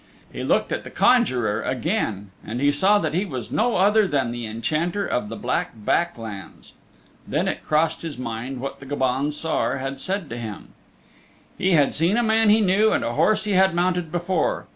He looked at the conjuror again and he saw he was no other than the Enchanter of the Black Back Lands. Then it crossed his mind what the Gobaun Saor had said to him. He had seen a man he knew and a horse he had mounted before.